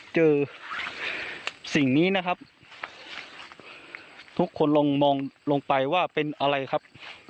สิ่งนี้นะครับทุกคนลองมองลงไปว่าเป็นอะไรครับ